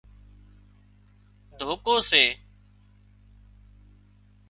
ڌوڪو سي